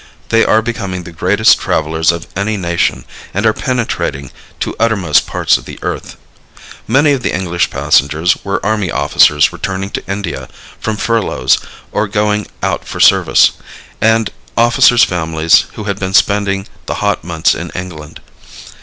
They are becoming the greatest travelers of any nation and are penetrating to uttermost parts of the earth. Many of the English passengers were army officers returning to India from furloughs or going out for service, and officers' families who had been spending the hot months in England.